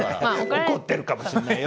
怒ってるかもしんないよ。